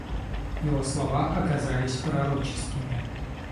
Его слова оказались пророческими.